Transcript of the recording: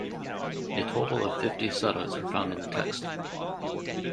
A total of fifty suttas are found in the text.